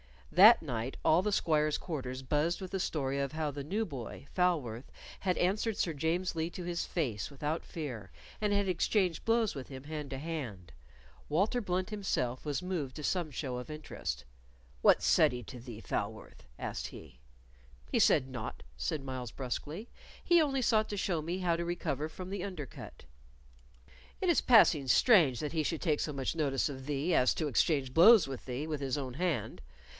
That night all the squires' quarters buzzed with the story of how the new boy, Falworth, had answered Sir James Lee to his face without fear, and had exchanged blows with him hand to hand. Walter Blunt himself was moved to some show of interest. "What said he to thee, Falworth?" asked he. "He said naught," said Myles, brusquely. "He only sought to show me how to recover from the under cut." "It is passing strange that he should take so much notice of thee as to exchange blows with thee with his own hand.